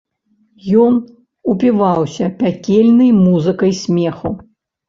Ён упіваўся пякельнай музыкай смеху.